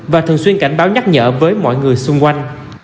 và thường xuyên cảnh báo nhắc nhở với mọi người xung quanh